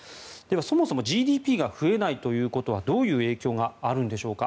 そもそもＧＤＰが増えないということはどういう影響があるんでしょうか。